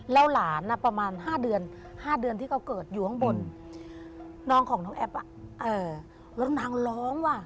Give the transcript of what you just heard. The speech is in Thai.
แล้วหลานประมาณ๕เดือน๕เดือนที่เขาเกิดอยู่ข้างบนน้องของน้องแอปแล้วนางร้องว่ะ